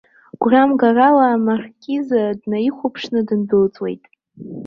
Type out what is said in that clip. Гәрамгарала амаркиз днаихәаԥшны дындәылҵуеит.